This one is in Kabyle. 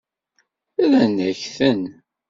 Rran-ak-ten.